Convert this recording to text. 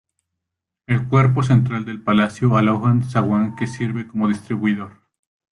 El cuerpo central del palacio aloja un zaguán que sirve como distribuidor.